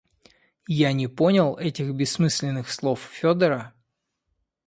Я не понял этих бессмысленных слов Федора?